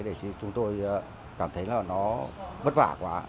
để chúng tôi cảm thấy là nó vất vả quá